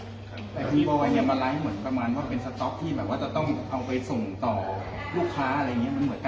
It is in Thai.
แต่พี่บอยเนี่ยมาไลฟ์เหมือนประมาณว่าเป็นสต๊อกที่แบบว่าจะต้องเอาไปส่งต่อลูกค้าอะไรอย่างนี้